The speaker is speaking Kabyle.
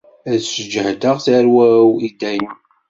Ad sǧehdeɣ tarwa-w, i dayem.